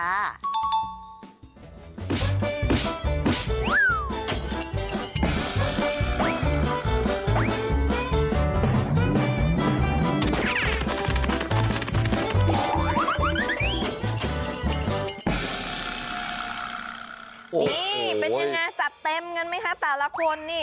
นี่เป็นยังไงจัดเต็มกันไหมคะแต่ละคนนี่